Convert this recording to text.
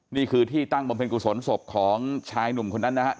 นี่คือที่ตั้งบำเพ็ญกุศลศพของชายหนุ่มคนนั้นนะครับ